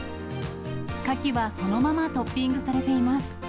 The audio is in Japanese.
カキはそのままトッピングされています。